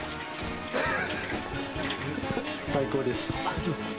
最高です！